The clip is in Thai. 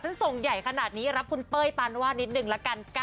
ส่งใหญ่ขนาดนี้รับคุณเป้ยปานวาดนิดนึงละกัน